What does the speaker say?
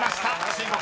「中国」